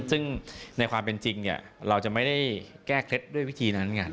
ซึ่งในความเป็นจริงเราจะไม่ได้แก้เคล็ดด้วยวิธีนั้นไง